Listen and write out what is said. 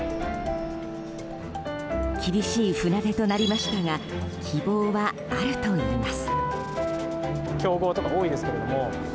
厳しい船出となりましたが希望はあるといいます。